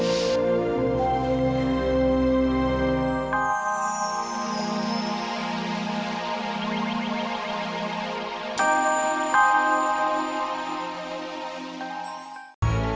sampai jumpa lagi shay